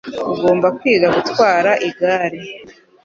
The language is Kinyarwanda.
Ugomba kwiga gutwara igare.